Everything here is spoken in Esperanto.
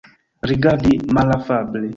Rigardi malafable.